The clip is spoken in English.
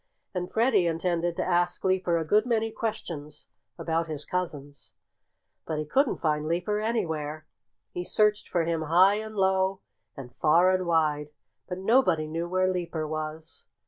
And Freddie intended to ask Leaper a good many questions about his cousins. But he couldn't find Leaper anywhere. He searched for him high and low, and far and wide. But nobody knew where Leaper was.